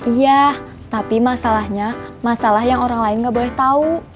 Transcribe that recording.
iya tapi masalahnya masalah yang orang lain nggak boleh tahu